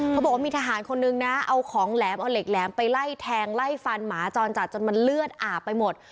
เขาบอกว่ามีทหารคนนึงนะเอาของแหลมเอาเหล็กแหลมไปไล่แทงไล่ฟันหมาจรจัดจนมันเลือดอาบไปหมด